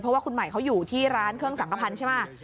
เพราะว่าคุณใหม่เขาอยู่ที่ร้านเครื่องสังขพันธ์ใช่ไหม